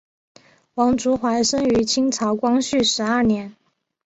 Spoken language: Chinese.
王竹怀生于清朝光绪十二年。